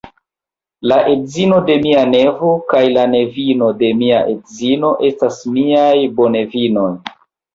La edzino de mia nevo kaj la nevino de mia edzino estas miaj bonevinoj.